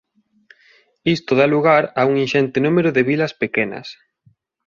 Isto da lugar a un inxente número de vilas pequenas.